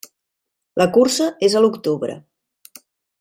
La cursa és a l'octubre.